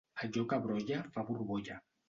Allò que brolla fa borbolla.